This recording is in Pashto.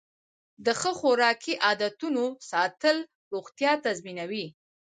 د ښه خوراکي عادتونو ساتل روغتیا تضمینوي.